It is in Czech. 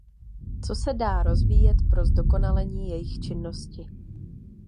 Co se dá rozvíjet pro zdokonalení jejich činnosti.